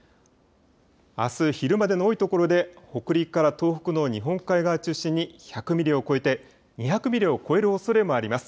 あす昼までの多いところで北陸から東北の日本海側中心に１００ミリを超えて２００ミリを超えるおそれもあります。